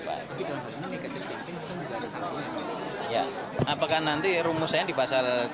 tapi kalau negatif kampanye itu juga ada sasaran